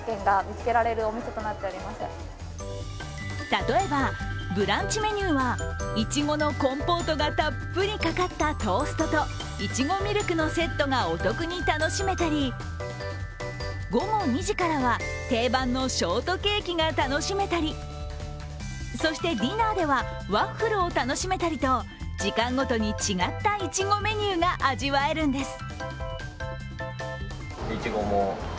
例えばブランチメニューはいちごのコンポートがたっぷりかかったトーストといちごミルクのセットがお得に楽しめたり、午後２時からは、定番のショートケーキが楽しめたりそしてディナーではワッフルを楽しめたりと時間ごとに違ったいちごメニューが味わえるんです。